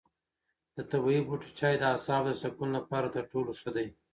د طبیعي بوټو چای د اعصابو د سکون لپاره تر ټولو ښه دی.